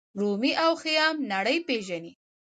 رومي او خیام نړۍ پیژني.